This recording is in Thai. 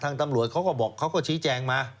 ตำรวจเขาก็บอกเขาก็ชี้แจงมา